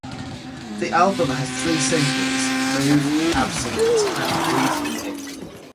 The album has three singles: "Move", "Absolute" and "Breathe You In".